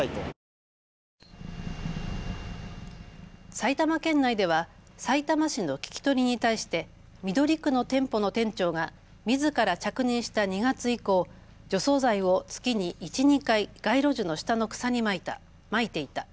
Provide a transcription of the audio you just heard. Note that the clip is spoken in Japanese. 埼玉県内ではさいたま市の聞き取りに対して緑区の店舗の店長がみずから着任した２月以降、除草剤を月に１、２回、街路樹の下の草にまいていた。